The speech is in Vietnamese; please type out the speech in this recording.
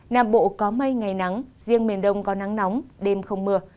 nam bộ có mây ngày nắng riêng miền đông có nắng nóng đêm không mưa